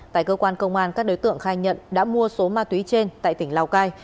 tại cơ quan công an các đối tượng khai nhận đã mua số ma túy trên tại tỉnh lào cai